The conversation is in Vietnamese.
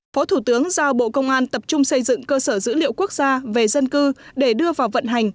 phó thủ tướng giao bộ công an tập trung xây dựng cơ sở dữ liệu quốc gia về dân cư để đưa vào vận hành